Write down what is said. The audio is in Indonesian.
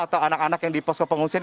atau anak anak yang di posko pengungsian